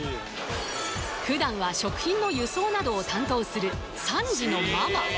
普段は食品の輸送などを担当する３児のママ